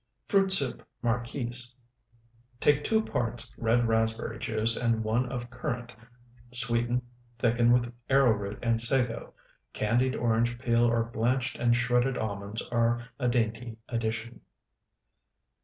FRUIT SOUP (MARQUISE) Take two parts red raspberry juice and one of currant, sweeten, thicken with arrowroot and sago; candied orange peel or blanched and shredded almonds are a dainty addition.